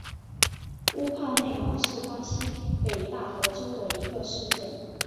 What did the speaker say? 乌帕内马是巴西北大河州的一个市镇。